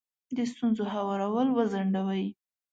د ستونزو هوارول وځنډوئ.